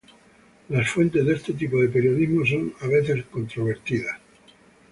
Las fuentes de este tipo de periodismo son a veces controvertidas.